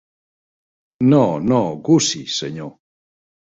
No, no, Gussie, senyor.